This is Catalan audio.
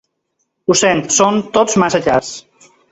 Ho sento, son tots massa cars.